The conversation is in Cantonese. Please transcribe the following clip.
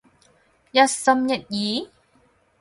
一心一意？